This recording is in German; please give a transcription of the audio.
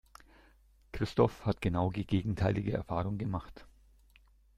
Christoph hat genau die gegenteilige Erfahrung gemacht.